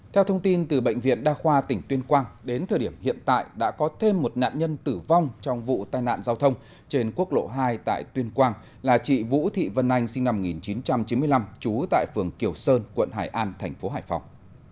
theo thông tin từ bệnh viện đa khoa tỉnh tuyên quang đến thời điểm hiện tại đã có thêm một nạn nhân tử vong trong vụ tai nạn giao thông trên quốc lộ hai tại tuyên quang là chị vũ thị vân anh sinh năm một nghìn chín trăm chín mươi năm trú tại phường kiều sơn quận hải an thành phố hải phòng